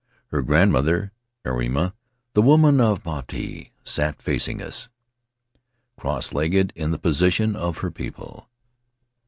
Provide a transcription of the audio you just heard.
Her grandmother, Airima — the woman of Maupiti — sat facing us, cross legged in the position of her people.